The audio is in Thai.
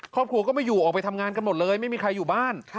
ครอบครัวก็ไม่อยู่ออกไปทำงานกันหมดเลยไม่มีใครอยู่บ้าน